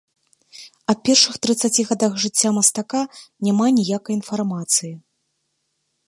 Аб першых трыццаці гадах жыцця мастака няма ніякай інфармацыі.